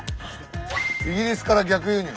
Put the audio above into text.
「イギリスから逆輸入！